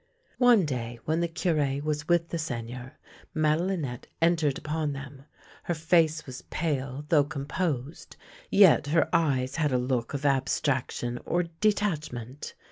One day when the Cure was with the Seigneur, Madelinette entered upon them. Her face was pale though com posed, yet her eyes had a look of abstraction or detach ment.